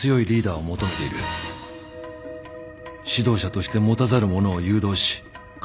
指導者として持たざるものを誘導し活用する。